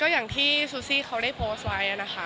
อย่างที่ซูซี่เขาได้โพสต์ไว้นะคะ